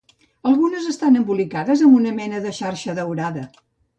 Algunes estan embolicades amb una mena de xarxa daurada.